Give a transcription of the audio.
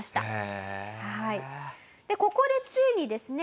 でここでついにですね。